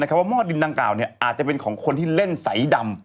หม้อดินดังกล่าวอาจจะเป็นของคนที่เล่นใสดำ